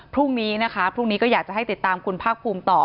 พรุ่งนี้นะคะพรุ่งนี้ก็อยากจะให้ติดตามคุณภาคภูมิต่อ